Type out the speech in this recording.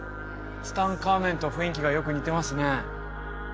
ツタンカーメンと雰囲気がよく似てますね